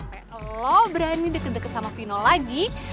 kaya lo berani deket deket sama vino lagi